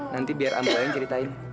nanti biar ambrayang ceritain